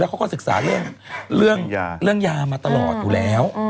เขาก็ศึกษาเรื่องยามาตลอดอยู่แล้ว